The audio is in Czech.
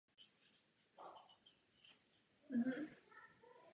Mezi přímé škody patří následná cena zdravotní péče a hmotná škoda vzniklá při nehodě.